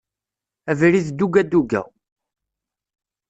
Abrid duga duga.